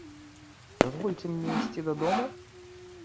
Дазвольце мне ісці дадому?